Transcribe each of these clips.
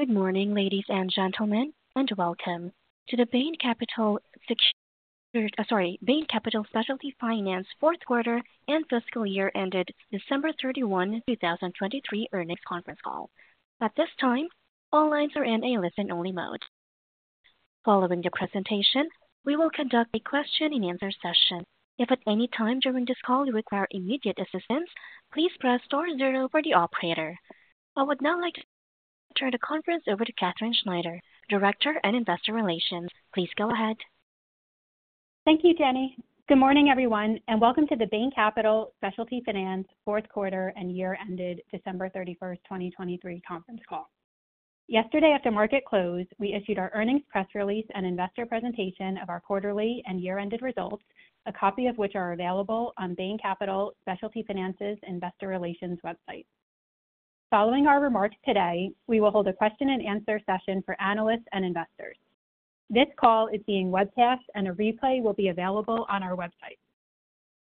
Good morning, ladies and gentlemen, and welcome to the Bain Capital Specialty Finance Fourth Quarter and Fiscal Year Ended December 31, 2023 earnings conference call. At this time, all lines are in a listen-only mode. Following the presentation, we will conduct a question-and-answer session. If at any time during this call you require immediate assistance, please press star zero for the operator. I would now like to turn the conference over to Katherine Schneider, Director at Investor Relations. Please go ahead. Thank you, Jenny. Good morning, everyone, and welcome to the Bain Capital Specialty Finance Fourth Quarter and Year Ended December 31, 2023 conference call. Yesterday, after market close, we issued our earnings press release and investor presentation of our quarterly and year-ended results, a copy of which are available on Bain Capital Specialty Finance's Investor Relations website. Following our remarks today, we will hold a question-and-answer session for analysts and investors. This call is being webcast, and a replay will be available on our website.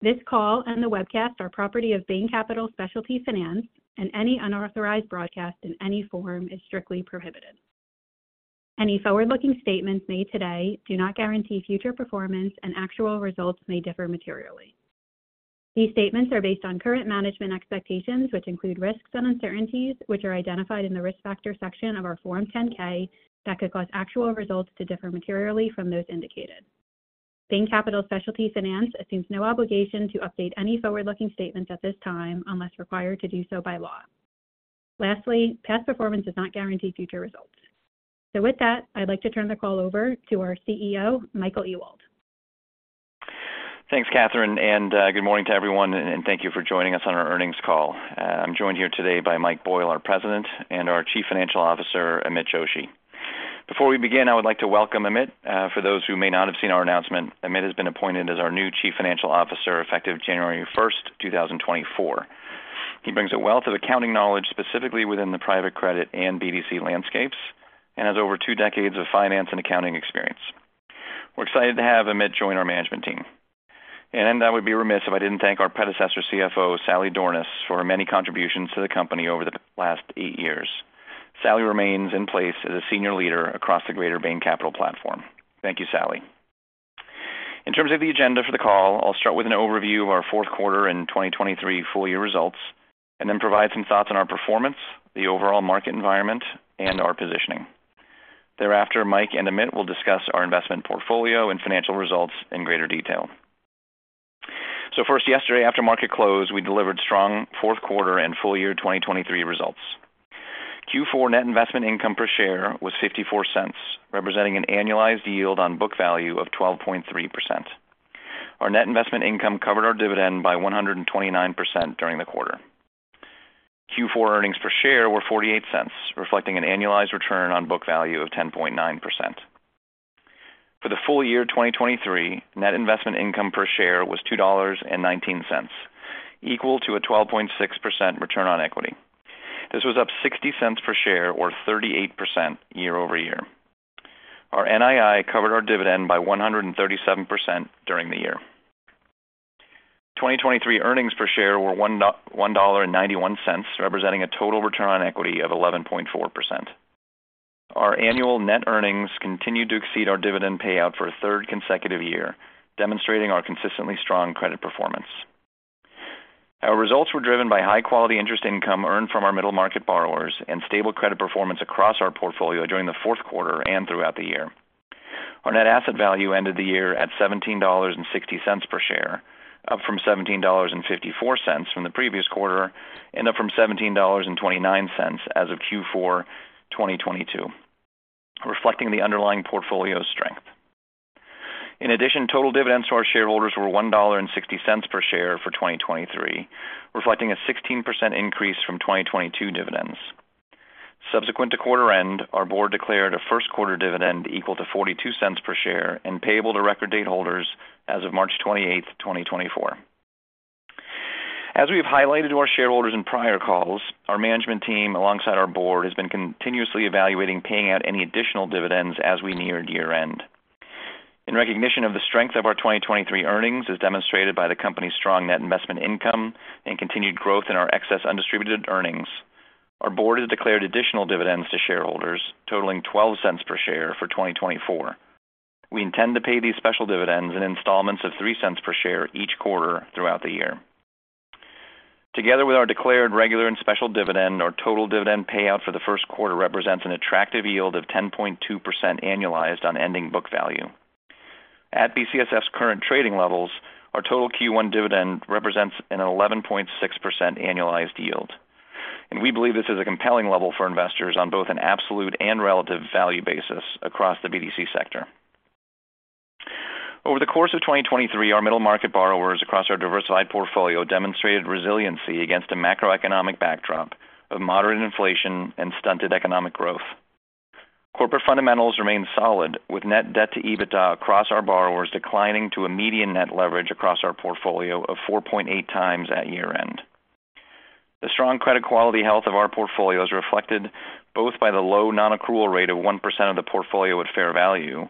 This call and the webcast are property of Bain Capital Specialty Finance, and any unauthorized broadcast in any form is strictly prohibited. Any forward-looking statements made today do not guarantee future performance, and actual results may differ materially. These statements are based on current management expectations, which include risks and uncertainties, which are identified in the Risk Factor section of our Form 10-K, that could cause actual results to differ materially from those indicated. Bain Capital Specialty Finance assumes no obligation to update any forward-looking statements at this time unless required to do so by law. Lastly, past performance does not guarantee future results. With that, I'd like to turn the call over to our CEO, Michael Ewald. Thanks, Katherine, and good morning to everyone, and thank you for joining us on our earnings call. I'm joined here today by Mike Boyle, our President, and our Chief Financial Officer, Amit Joshi. Before we begin, I would like to welcome Amit. For those who may not have seen our announcement, Amit has been appointed as our new Chief Financial Officer, effective January 1, 2024. He brings a wealth of accounting knowledge, specifically within the private credit and BDC landscapes, and has over two decades of finance and accounting experience. We're excited to have Amit join our management team. I would be remiss if I didn't thank our predecessor, CFO, Sally Dornaus, for her many contributions to the company over the last eight years. Sally remains in place as a senior leader across the greater Bain Capital platform. Thank you, Sally. In terms of the agenda for the call, I'll start with an overview of our fourth quarter and 2023 full year results, and then provide some thoughts on our performance, the overall market environment, and our positioning. Thereafter, Mike and Amit will discuss our investment portfolio and financial results in greater detail. So first, yesterday, after market close, we delivered strong fourth quarter and full year 2023 results. Q4 net investment income per share was $0.54, representing an annualized yield on book value of 12.3%. Our net investment income covered our dividend by 129% during the quarter. Q4 earnings per share were $0.48, reflecting an annualized return on book value of 10.9%. For the full year 2023, net investment income per share was $2.19, equal to a 12.6% return on equity. This was up $0.60 per share or 38% year-over-year. Our NII covered our dividend by 137% during the year. 2023 earnings per share were $1.91, representing a total return on equity of 11.4%. Our annual net earnings continued to exceed our dividend payout for a third consecutive year, demonstrating our consistently strong credit performance. Our results were driven by high-quality interest income earned from our middle-market borrowers and stable credit performance across our portfolio during the fourth quarter and throughout the year. Our net asset value ended the year at $17.60 per share, up from $17.54 from the previous quarter, and up from $17.29 as of Q4 2022, reflecting the underlying portfolio's strength. In addition, total dividends to our shareholders were $1.60 per share for 2023, reflecting a 16% increase from 2022 dividends. Subsequent to quarter end, our board declared a first quarter dividend equal to $0.42 per share and payable to record date holders as of March 28, 2024. As we have highlighted to our shareholders in prior calls, our management team, alongside our board, has been continuously evaluating paying out any additional dividends as we neared year-end. In recognition of the strength of our 2023 earnings, as demonstrated by the company's strong net investment income and continued growth in our excess undistributed earnings, our board has declared additional dividends to shareholders totaling $0.12 per share for 2024. We intend to pay these special dividends in installments of $0.03 per share each quarter throughout the year. Together with our declared, regular, and special dividend, our total dividend payout for the first quarter represents an attractive yield of 10.2% annualized on ending book value. At BCSF's current trading levels, our total Q1 dividend represents an 11.6% annualized yield, and we believe this is a compelling level for investors on both an absolute and relative value basis across the BDC sector. Over the course of 2023, our middle-market borrowers across our diversified portfolio demonstrated resiliency against a macroeconomic backdrop of moderate inflation and stunted economic growth. Corporate fundamentals remained solid, with net debt to EBITDA across our borrowers declining to a median net leverage across our portfolio of 4.8 times at year-end. The strong credit quality health of our portfolio is reflected both by the low non-accrual rate of 1% of the portfolio at fair value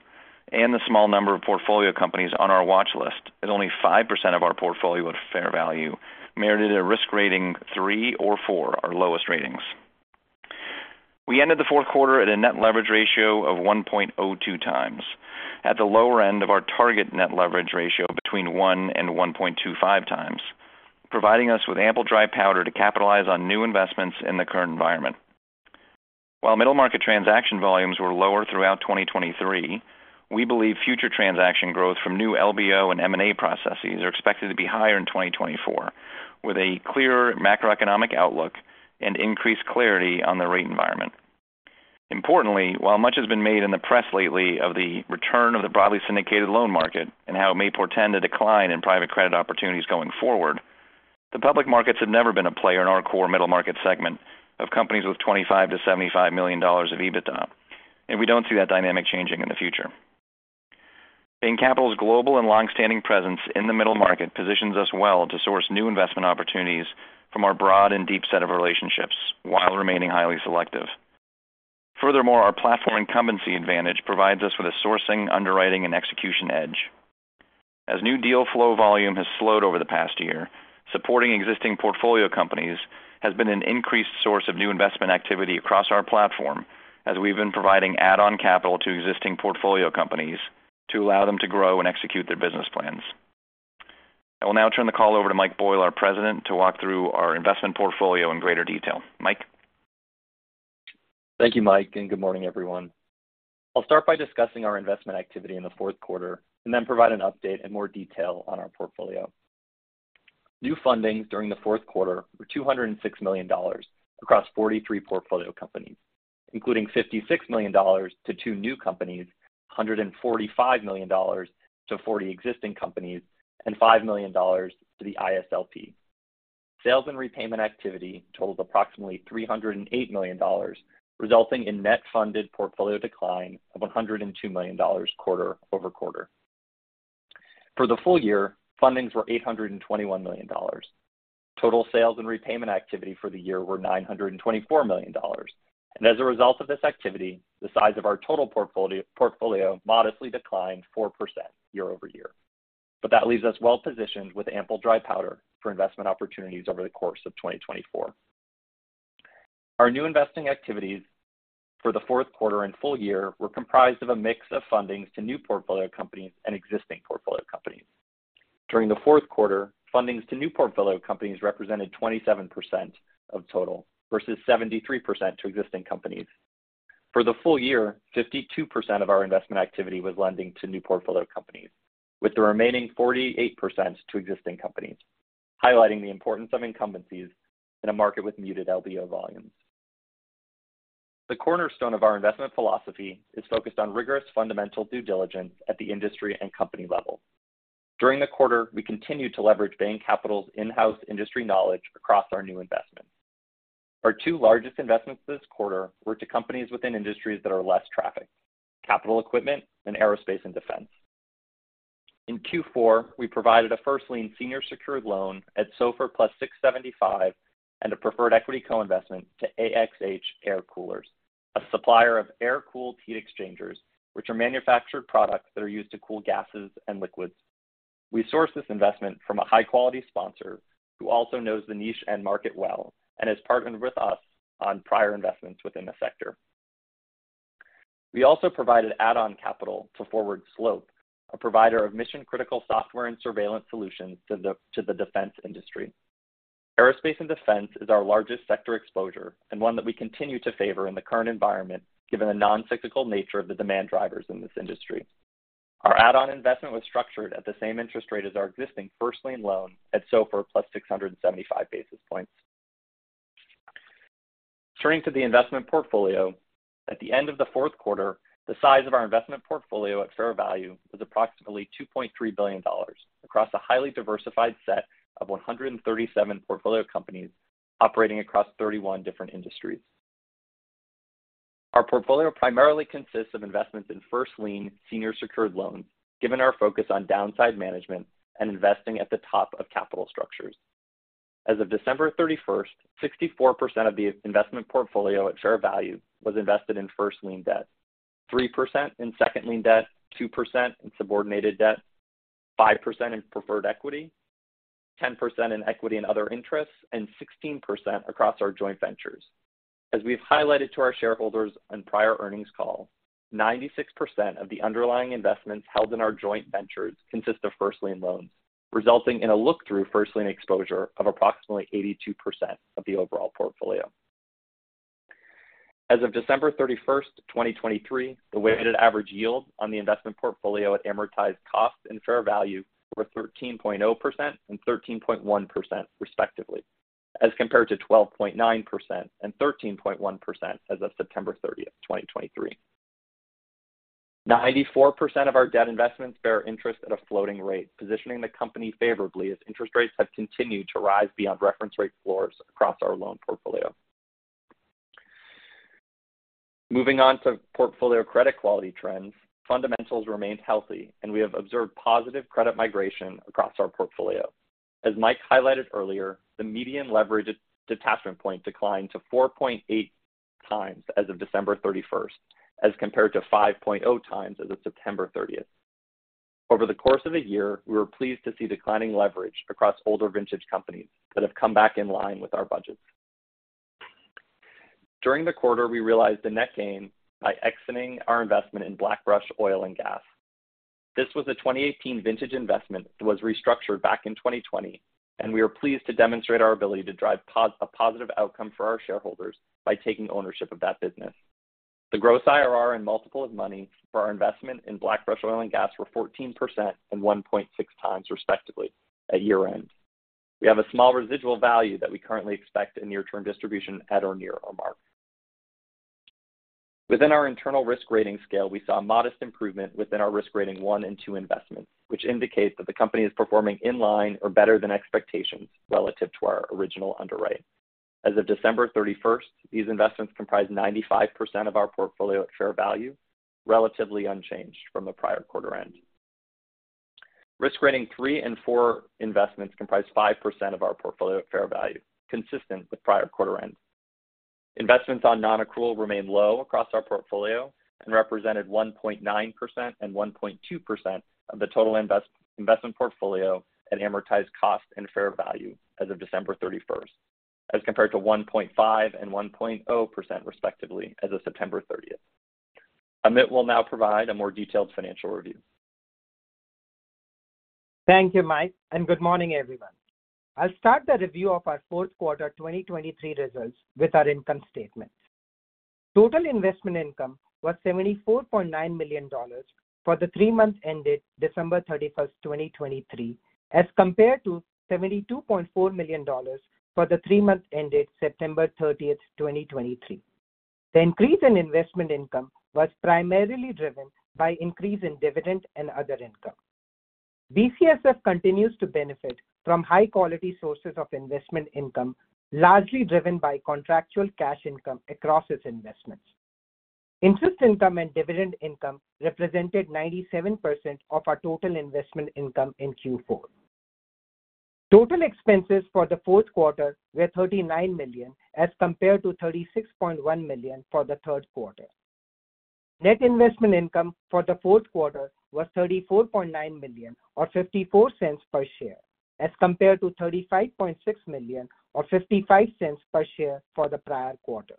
and the small number of portfolio companies on our watch list, as only 5% of our portfolio at fair value merited a risk rating 3 or 4, our lowest ratings. We ended the fourth quarter at a net leverage ratio of 1.02 times, at the lower end of our target net leverage ratio between 1-1.25 times, providing us with ample dry powder to capitalize on new investments in the current environment. While middle market transaction volumes were lower throughout 2023, we believe future transaction growth from new LBO and M&A processes are expected to be higher in 2024, with a clearer macroeconomic outlook and increased clarity on the rate environment. Importantly, while much has been made in the press lately of the return of the broadly syndicated loan market and how it may portend a decline in private credit opportunities going forward, the public markets have never been a player in our core middle market segment of companies with $25 million-$75 million of EBITDA, and we don't see that dynamic changing in the future. Bain Capital's global and longstanding presence in the middle market positions us well to source new investment opportunities from our broad and deep set of relationships while remaining highly selective. Furthermore, our platform incumbency advantage provides us with a sourcing, underwriting, and execution edge. As new deal flow volume has slowed over the past year, supporting existing portfolio companies has been an increased source of new investment activity across our platform, as we've been providing add-on capital to existing portfolio companies to allow them to grow and execute their business plans. I will now turn the call over to Mike Boyle, our president, to walk through our investment portfolio in greater detail. Mike? Thank you, Mike, and good morning, everyone. I'll start by discussing our investment activity in the fourth quarter and then provide an update and more detail on our portfolio. New fundings during the fourth quarter were $206 million across 43 portfolio companies, including $56 million to two new companies, $145 million to 40 existing companies, and $5 million to the ISLP. Sales and repayment activity totaled approximately $308 million, resulting in net funded portfolio decline of $102 million quarter-over-quarter. For the full year, fundings were $821 million. Total sales and repayment activity for the year were $924 million. As a result of this activity, the size of our total portfolio modestly declined 4% year-over-year. But that leaves us well positioned with ample dry powder for investment opportunities over the course of 2024. Our new investing activities for the fourth quarter and full year were comprised of a mix of fundings to new portfolio companies and existing portfolio companies. During the fourth quarter, fundings to new portfolio companies represented 27% of total, versus 73% to existing companies. For the full year, 52% of our investment activity was lending to new portfolio companies, with the remaining 48% to existing companies, highlighting the importance of incumbencies in a market with muted LBO volumes. The cornerstone of our investment philosophy is focused on rigorous fundamental due diligence at the industry and company level. During the quarter, we continued to leverage Bain Capital's in-house industry knowledge across our new investments. Our two largest investments this quarter were to companies within industries that are less trafficked: capital equipment and aerospace and defense. In Q4, we provided a first lien senior secured loan at SOFR + 6.75, and a preferred equity co-investment to AXH Air-Coolers, a supplier of air-cooled heat exchangers, which are manufactured products that are used to cool gases and liquids. We sourced this investment from a high-quality sponsor who also knows the niche and market well and has partnered with us on prior investments within the sector. We also provided add-on capital to Forward Slope, a provider of mission-critical software and surveillance solutions to the defense industry. Aerospace and defense is our largest sector exposure and one that we continue to favor in the current environment, given the non-cyclical nature of the demand drivers in this industry. Our add-on investment was structured at the same interest rate as our existing first lien loan at SOFR plus 675 basis points. Turning to the investment portfolio, at the end of the fourth quarter, the size of our investment portfolio at fair value was approximately $2.3 billion across a highly diversified set of 137 portfolio companies operating across 31 different industries. Our portfolio primarily consists of investments in first lien senior secured loans, given our focus on downside management and investing at the top of capital structures. As of December 31, 64% of the investment portfolio at fair value was invested in first lien debt, 3% in second lien debt, 2% in subordinated debt, 5% in preferred equity, 10% in equity and other interests, and 16% across our joint ventures. As we've highlighted to our shareholders on prior earnings call, 96% of the underlying investments held in our joint ventures consist of first lien loans, resulting in a look-through first lien exposure of approximately 82% of the overall portfolio. As of December 31, 2023, the weighted average yield on the investment portfolio at amortized cost and fair value were 13.0% and 13.1%, respectively, as compared to 12.9% and 13.1% as of September 30, 2023. 94% of our debt investments bear interest at a floating rate, positioning the company favorably as interest rates have continued to rise beyond reference rate floors across our loan portfolio. Moving on to portfolio credit quality trends, fundamentals remained healthy, and we have observed positive credit migration across our portfolio. As Mike highlighted earlier, the median leverage detachment point declined to 4.8x as of December 31st, as compared to 5.0x as of September 30th. Over the course of a year, we were pleased to see declining leverage across older vintage companies that have come back in line with our budgets. During the quarter, we realized a net gain by exiting our investment in BlackBrush Oil and Gas. This was a 2018 vintage investment that was restructured back in 2020, and we are pleased to demonstrate our ability to drive a positive outcome for our shareholders by taking ownership of that business. The gross IRR and multiple of money for our investment in BlackBrush Oil and Gas were 14% and 1.6x, respectively, at year-end. We have a small residual value that we currently expect a near-term distribution at or near our mark. Within our internal risk rating scale, we saw a modest improvement within our risk rating one and two investments, which indicates that the company is performing in line or better than expectations relative to our original underwrite. As of December 31, these investments comprised 95% of our portfolio at fair value, relatively unchanged from the prior quarter end. Risk rating three and four investments comprise 5% of our portfolio at fair value, consistent with prior quarter end. Investments on non-accrual remain low across our portfolio and represented 1.9% and 1.2% of the total investment portfolio at amortized cost and fair value as of December 31, as compared to 1.5% and 1.0%, respectively, as of September 30. Amit will now provide a more detailed financial review. Thank you, Mike, and good morning, everyone. I'll start the review of our fourth quarter 2023 results with our income statement. Total investment income was $74.9 million for the three months ended December 31, 2023, as compared to $72.4 million for the three months ended September 30, 2023. The increase in investment income was primarily driven by increase in dividend and other income. BCSF continues to benefit from high-quality sources of investment income, largely driven by contractual cash income across its investments. Interest income and dividend income represented 97% of our total investment income in Q4. Total expenses for the fourth quarter were $39 million, as compared to $36.1 million for the third quarter. Net investment income for the fourth quarter was $34.9 million, or $0.54 per share, as compared to $35.6 million, or $0.55 per share for the prior quarter.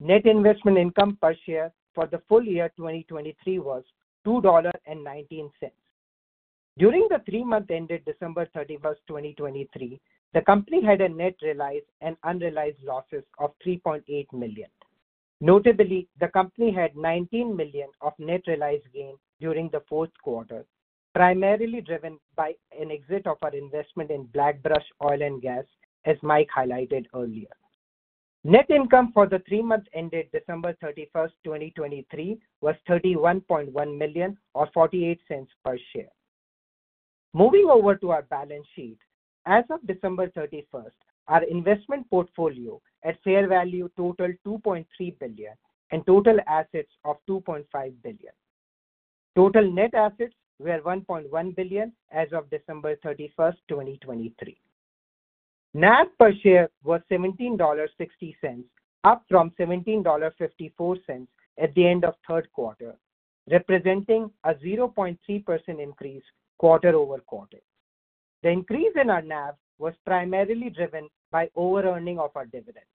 Net investment income per share for the full year 2023 was $2.19. During the three months ended December 31, 2023, the company had a net realized and unrealized losses of $3.8 million. Notably, the company had $19 million of net realized gain during the fourth quarter, primarily driven by an exit of our investment in BlackBrush Oil and Gas, as Mike highlighted earlier. Net income for the three months ended December 31, 2023, was $31.1 million or $0.48 per share. Moving over to our balance sheet. As of December 31, our investment portfolio at fair value totaled $2.3 billion and total assets of $2.5 billion. Total net assets were $1.1 billion as of December 31, 2023. NAV per share was $17.60, up from $17.54 at the end of third quarter, representing a 0.3% increase quarter-over-quarter. The increase in our NAV was primarily driven by overearning of our dividend.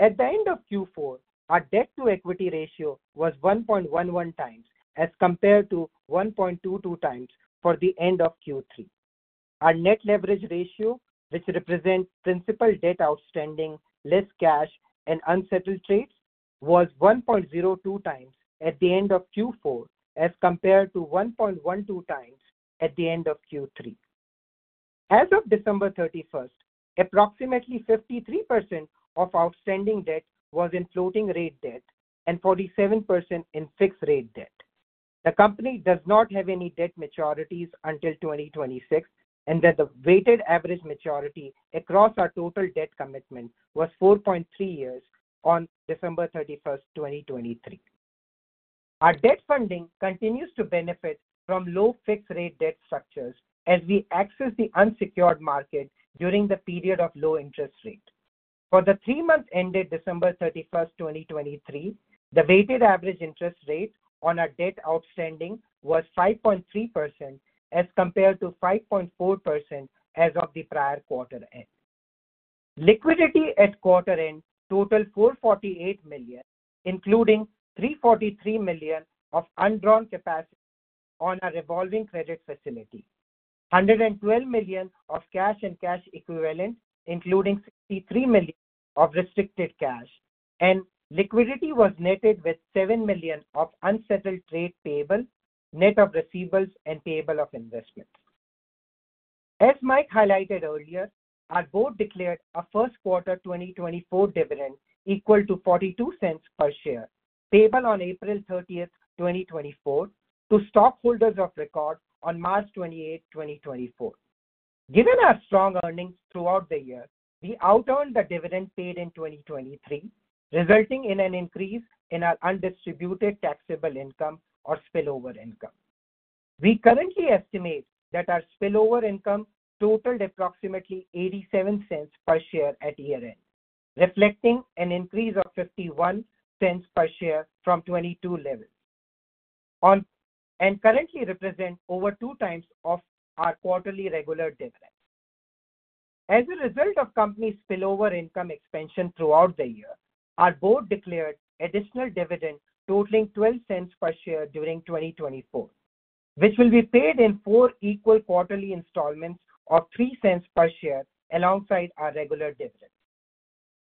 At the end of Q4, our debt-to-equity ratio was 1.11 times, as compared to 1.22 times for the end of Q3. Our net leverage ratio, which represents principal debt outstanding, less cash and unsettled trades, was 1.02 times at the end of Q4, as compared to 1.12 times at the end of Q3. As of December 31, approximately 53% of outstanding debt was in floating rate debt and 47% in fixed rate debt. The company does not have any debt maturities until 2026, and that the weighted average maturity across our total debt commitment was 4.3 years on December 31, 2023. Our debt funding continues to benefit from low fixed rate debt structures as we access the unsecured market during the period of low interest rate. For the three months ended December 31, 2023, the weighted average interest rate on our debt outstanding was 5.3%, as compared to 5.4% as of the prior quarter end. Liquidity at quarter end totaled $448 million, including $343 million of undrawn capacity on our revolving credit facility, $112 million of cash and cash equivalents, including $63 million of restricted cash, and liquidity was netted with $7 million of unsettled trade payables, net of receivables and payables of investments. As Mike highlighted earlier, our board declared our first quarter 2024 dividend equal to $0.42 per share, payable on April 30, 2024 to stockholders of record on March 28, 2024. Given our strong earnings throughout the year, we outearned the dividend paid in 2023, resulting in an increase in our undistributed taxable income or spillover income. We currently estimate that our spillover income totaled approximately $0.87 per share at year-end, reflecting an increase of $0.51 per share from 2022 level. And currently represent over two times of our quarterly regular dividend. As a result of the company's spillover income expansion throughout the year, our board declared additional dividend totaling $0.12 per share during 2024, which will be paid in four equal quarterly installments of $0.03 per share, alongside our regular dividend.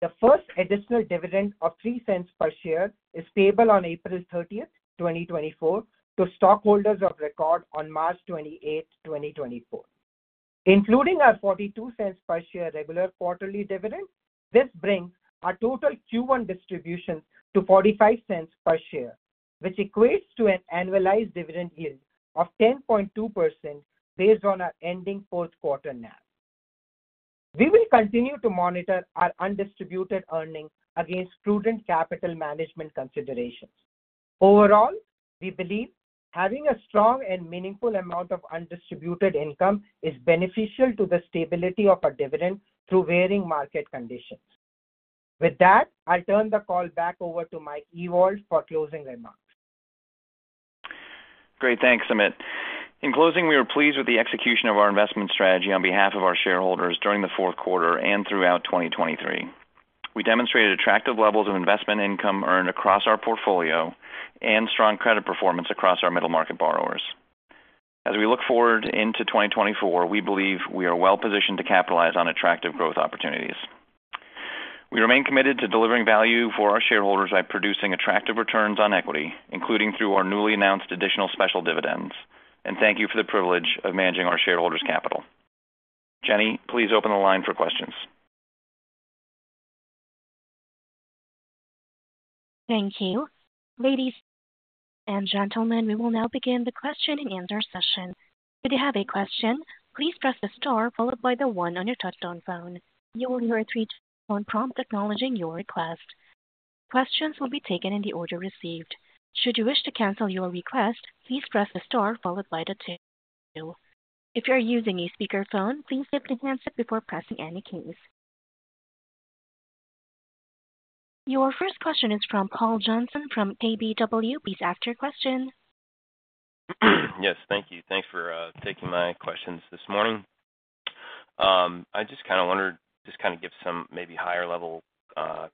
The first additional dividend of $0.03 per share is payable on April 30, 2024, to stockholders of record on March 28, 2024. Including our $0.42 per share regular quarterly dividend, this brings our total Q1 distribution to $0.45 per share, which equates to an annualized dividend yield of 10.2% based on our ending fourth quarter NAV. We will continue to monitor our undistributed earnings against prudent capital management considerations. Overall, we believe having a strong and meaningful amount of undistributed income is beneficial to the stability of our dividend through varying market conditions. With that, I'll turn the call back over to Mike Ewald for closing remarks. Great. Thanks, Amit. In closing, we are pleased with the execution of our investment strategy on behalf of our shareholders during the fourth quarter and throughout 2023. We demonstrated attractive levels of investment income earned across our portfolio and strong credit performance across our middle market borrowers. As we look forward into 2024, we believe we are well positioned to capitalize on attractive growth opportunities. We remain committed to delivering value for our shareholders by producing attractive returns on equity, including through our newly announced additional special dividends. Thank you for the privilege of managing our shareholders' capital. Jenny, please open the line for questions. Thank you. Ladies and gentlemen, we will now begin the question-and-answer session. If you have a question, please press the star followed by the one on your touchtone phone. You will hear a three-tone prompt acknowledging your request. Questions will be taken in the order received. Should you wish to cancel your request, please press the star followed by the two. If you're using a speakerphone, please lift the handset before pressing any keys. Your first question is from Paul Johnson from KBW. Please ask your question. Yes, thank you. Thanks for taking my questions this morning. I just kind of wondered, just kind of give some maybe higher level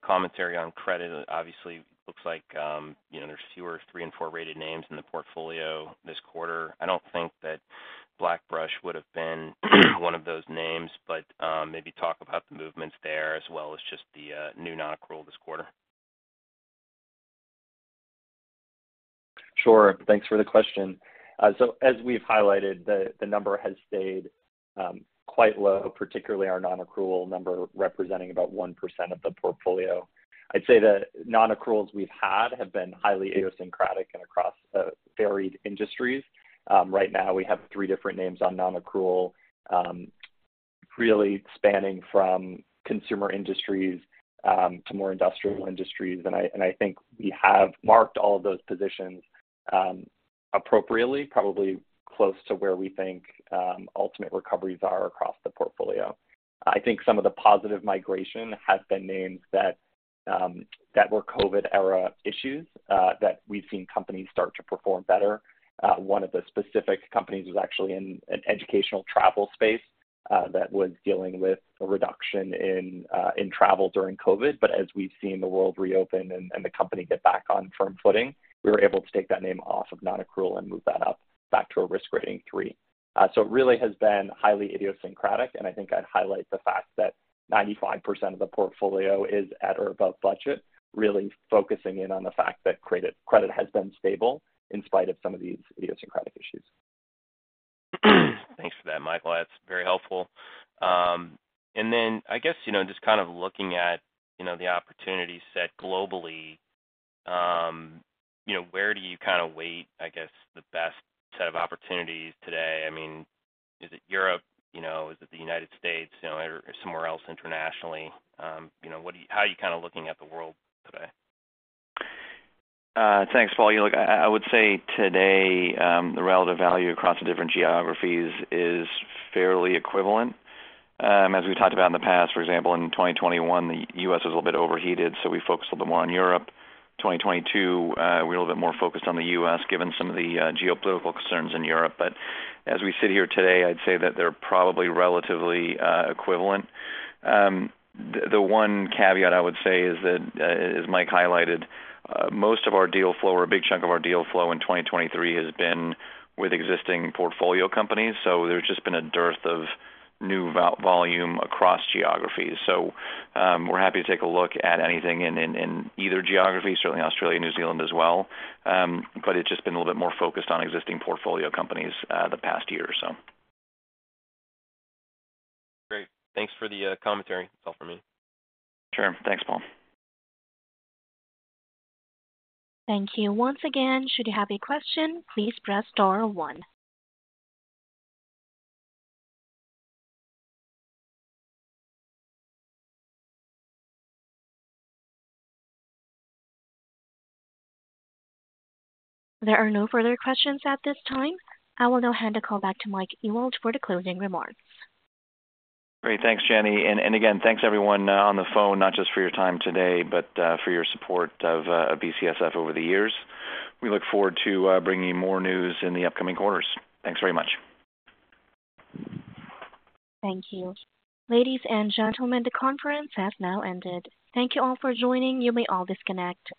commentary on credit. Obviously, looks like, you know, there's fewer three and four rated names in the portfolio this quarter. I don't think that BlackBrush would have been one of those names, but maybe talk about the movements there as well as just the new non-accrual this quarter. Sure. Thanks for the question. So as we've highlighted, the number has stayed quite low, particularly our non-accrual number, representing about 1% of the portfolio. I'd say the non-accruals we've had have been highly idiosyncratic and across varied industries. Right now, we have three different names on non-accrual, really spanning from consumer industries to more industrial industries. And I think we have marked all of those positions appropriately, probably close to where we think ultimate recoveries are across the portfolio. I think some of the positive migration has been names that were COVID-era issues that we've seen companies start to perform better. One of the specific companies was actually in an educational travel space that was dealing with a reduction in travel during COVID. But as we've seen the world reopen and, and the company get back on firm footing, we were able to take that name off of non-accrual and move that up back to a risk rating three. So it really has been highly idiosyncratic, and I think I'd highlight the fact that 95% of the portfolio is at or above budget, really focusing in on the fact that credit, credit has been stable in spite of some of these idiosyncratic issues. Thanks for that, Michael. That's very helpful. And then I guess, you know, just kind of looking at, you know, the opportunity set globally, you know, where do you kind of weigh, I guess, the best set of opportunities today? I mean, is it Europe, you know, is it the United States, you know, or somewhere else internationally? You know, what do you-- how are you kind of looking at the world today? Thanks, Paul. You know, look, I would say today, the relative value across the different geographies is fairly equivalent. As we've talked about in the past, for example, in 2021, the U.S. was a little bit overheated, so we focused a little more on Europe. 2022, we were a little bit more focused on the U.S., given some of the geopolitical concerns in Europe. But as we sit here today, I'd say that they're probably relatively equivalent. The one caveat I would say is that, as Mike highlighted, most of our deal flow or a big chunk of our deal flow in 2023 has been with existing portfolio companies, so there's just been a dearth of new volume across geographies. So, we're happy to take a look at anything in either geography, certainly Australia and New Zealand as well. But it's just been a little bit more focused on existing portfolio companies, the past year or so. Great. Thanks for the commentary. That's all for me. Sure. Thanks, Paul. Thank you. Once again, should you have a question, please press star one. There are no further questions at this time. I will now hand the call back to Mike Ewald for the closing remarks. Great. Thanks, Jenny. And again, thanks, everyone, on the phone, not just for your time today, but for your support of BCSF over the years. We look forward to bringing you more news in the upcoming quarters. Thanks very much. Thank you. Ladies and gentlemen, the conference has now ended. Thank you all for joining. You may all disconnect.